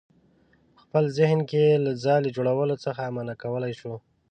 په خپل ذهن کې یې له ځالې جوړولو څخه منع کولی شو.